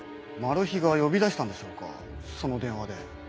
マルヒが呼び出したんでしょうかその電話で。